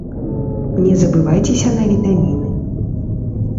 Не забывайцеся на вітаміны.